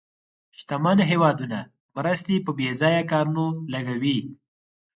شتمن هېوادونه مرستې په بې ځایه کارونو لګوي.